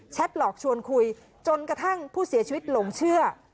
หลอกชวนคุยจนกระทั่งผู้เสียชีวิตหลงเชื่อ